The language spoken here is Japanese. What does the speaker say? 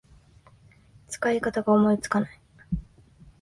使い方が思いつかない